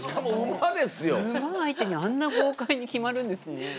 馬相手にあんな豪快に決まるんですね。